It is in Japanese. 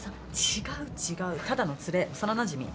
違う違うただの連れ幼なじみ。